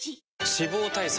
脂肪対策